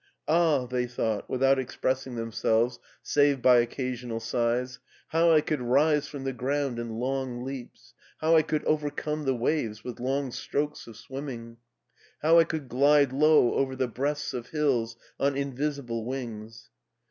"Ah!" they thought, without expressing diem BERLIN 179 selves save by occasional sighs, "how I could rise from the ground in long leaps, how I could overcome the waves with long strokes ^£ swimming, how I could glide low over the breasts of hills on invisible wings."